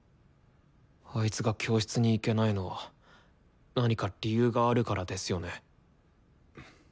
あいつが教室に行けないのは何か理由があるからですよね？